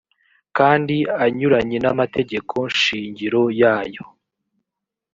kandi anyuranye n amategeko shingiro yayo